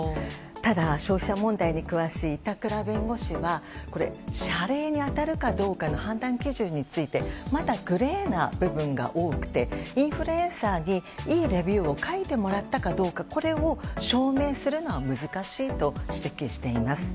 ただ、消費者問題に詳しい板倉弁護士は謝礼に当たるかどうかの判断基準についてまだグレーな部分が多くてインフルエンサーにいいレビューを書いてもらったかどうかこれを証明するのは難しいと指摘しています。